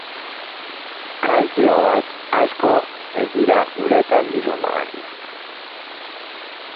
Kaltzio-gatz asko ez dira uretan disolbagarriak.